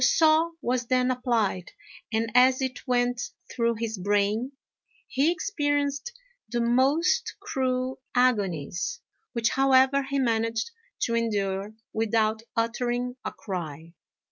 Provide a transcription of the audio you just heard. The saw was then applied, and as it went through his brain he experienced the most cruel agonies, which, however, he managed to endure without uttering a cry.